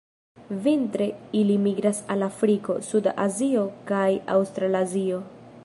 Vintre ili migras al Afriko, suda Azio kaj Aŭstralazio.